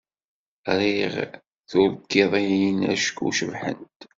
Riɣ turkidiyin acku cebḥent.